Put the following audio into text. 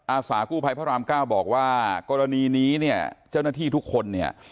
อาสากู้ภัยพระรามเก้าบอกว่ากรณีนี้เนี่ยเจ้าหน้าที่ทุกคนเนี่ย